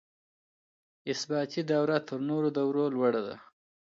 اثباتي دوره تر نورو دورو لوړه ده.